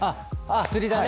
釣りだね。